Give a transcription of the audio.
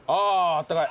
あったかい。